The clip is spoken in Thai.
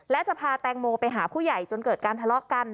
และจะพาแตงโมไปหาผู้ใหญ่จนเกิดการทะเลาะกัน